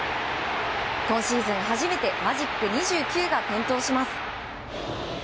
今シーズン初めてマジック２９が点灯します。